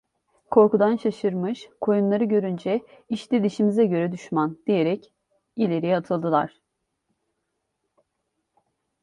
Korkudan şaşırmış koyunları görünce: "İşte dişimize göre düşman!" diyerek ileriye atıldılar.